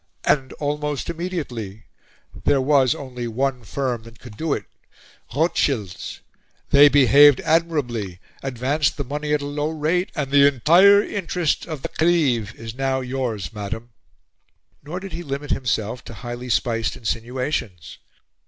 and almost immediately. There was only one firm that could do it Rothschilds. They behaved admirably; advanced the money at a low rate, and the entire interest of the Khedive is now yours, Madam." Nor did he limit himself to highly spiced insinuations.